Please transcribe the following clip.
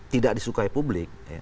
tidak disukai publik